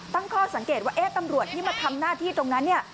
ตั้งข้อสังเกตว่าตำรวจที่มาทำหน้าที่ตรงนั้นเนี่ย